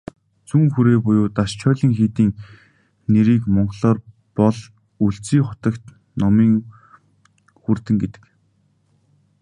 Зүүн хүрээ буюу "Дашчойлин" хийдийн нэрийг монголоор бол "Өлзий хутагт номын хүрдэн" гэдэг.